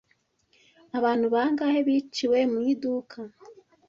Abantu bangahe biciwe mu iduka?